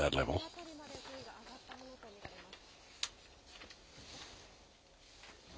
あの辺りまで水位が上がったものと見られます。